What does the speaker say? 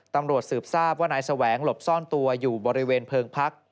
ตำรวจสืบทราบว่านายแสวงหลบซ่อนตัวอยู่บริเวณเพลิงพัก